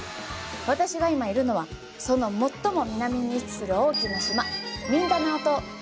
私が今いるのはその最も南に位置する大きな島ミンダナオ島。